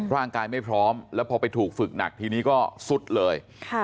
ร่างกายไม่พร้อมแล้วพอไปถูกฝึกหนักทีนี้ก็สุดเลย